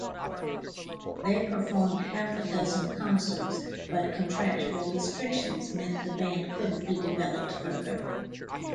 They performed half-a-dozen concerts but contractual restrictions meant the band couldn't be developed further.